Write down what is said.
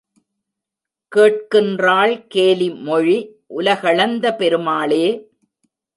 கேட்கின்றாள் கேலி மொழி, உலகளந்த பெருமாளே!